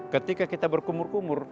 ketika kita berkumur kumur